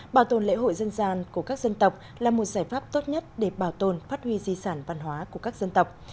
bảo tồn lễ hội dân gian của các dân tộc là một giải pháp tốt nhất để bảo tồn phát huy di sản văn hóa của các dân tộc